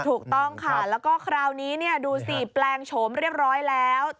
ถูกต้องค่ะแล้วก็คราวนี้ดูสิแปลงโฉมเรียบร้อยแล้ว